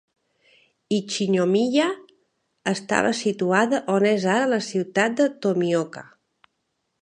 Ichinomiya estava situada on és ara la ciutat de Tomioka.